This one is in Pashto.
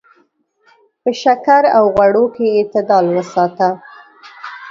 په شکر او غوړو کې اعتدال وساته.